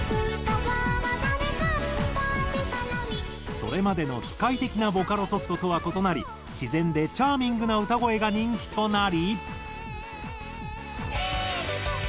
それまでの機械的なボカロソフトとは異なり自然でチャーミングな歌声が人気となり。